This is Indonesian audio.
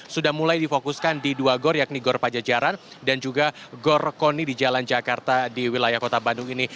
sudah mulai difokuskan di dua gor yakni gor pajajaran dan juga gor koni di jalan jakarta di wilayah kota bandung ini